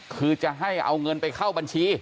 คือจะให้เอาเงินไปเข้าบัญชี